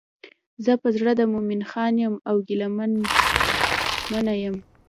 زه په زړه د مومن خان یم او ګیله منه یم.